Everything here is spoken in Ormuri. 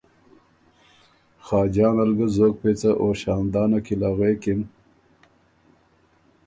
خاجان ال ګه زوک پېڅه او شاندانه کی له غوېکِن۔